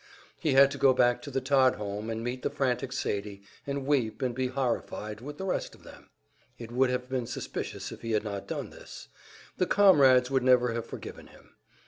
He had to go back to the Todd home and meet the frantic Sadie, and weep and be horrified with the rest of them. It would have been suspicious if he had not done this; the "comrades" would never have forgiven him.